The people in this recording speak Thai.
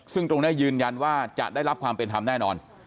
ซึ่งตรงนี้ยืนยันว่าจะได้รับความเป็นธรรมแน่นอน